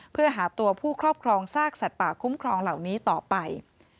เพื่อหาตัวผู้ครอบครองซากสัตว์ป่าคุ้มครองเหล่านี้ต่อไป